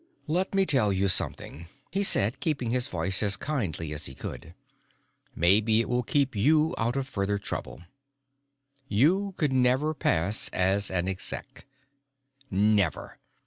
"Let me tell you something," he said, keeping his voice as kindly as he could. "Maybe it will keep you out of further trouble. You could never pass as an Exec. Never.